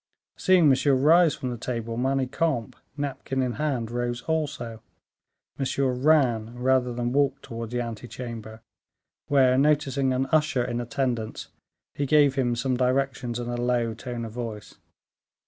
Seeing Monsieur rise from the table, Manicamp, napkin in hand, rose also. Monsieur ran rather than walked, towards the ante chamber, where, noticing an usher in attendance, he gave him some directions in a low tone of voice.